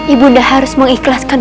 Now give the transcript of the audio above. ibu harus mengikhlaskan